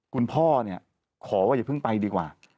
คุณพ่อเนี่ยขอว่าอย่าเพิ่งไปดีกว่า